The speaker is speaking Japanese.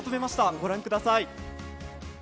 ご覧ください。